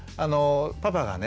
パパがね